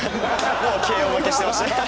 もうＫＯ負けしてましたね。